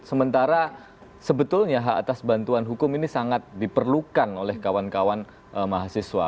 sementara sebetulnya hak atas bantuan hukum ini sangat diperlukan oleh kawan kawan mahasiswa